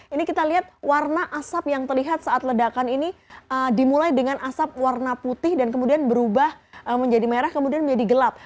ini kita lihat warna asap yang terlihat saat ledakan ini dimulai dengan asap warna putih dan kemudian berubah menjadi merah kemudian menjadi gelap